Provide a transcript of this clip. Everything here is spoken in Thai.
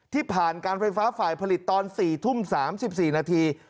ผ่านการไฟฟ้าฝ่ายผลิตตอน๔ทุ่ม๓๔นาที